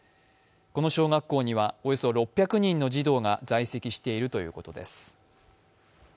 この小学校にはおよそ６００人の児童が在籍しているということです。